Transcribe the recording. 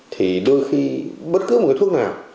thì đôi khi bất cứ một cái thuốc nào